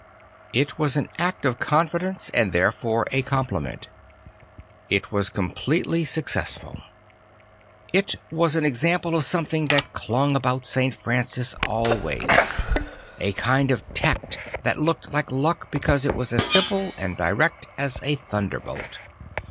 It was an act of confidence and therefore a compliment. It was completely successful. I t was an example of something that clung about St. Francis always; a kind of tact that looked like luck because it was as simple and direct as a thunderbolt.